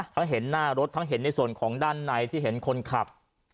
เห็นหน้ารถทั้งเห็นในส่วนของด้านในที่เห็นคนขับ